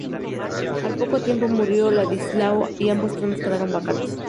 Al poco tiempo murió Ladislao y ambos tronos quedaron vacantes.